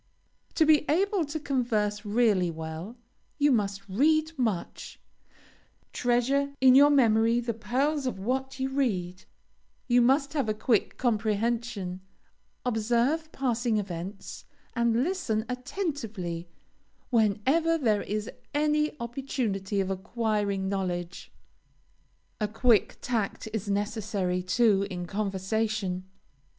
To be able to converse really well, you must read much, treasure in your memory the pearls of what you read; you must have a quick comprehension, observe passing events, and listen attentively whenever there is any opportunity of acquiring knowledge. A quick tact is necessary, too, in conversation.